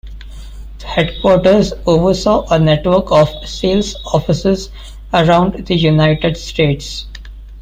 The headquarters oversaw a network of sales offices around the United States.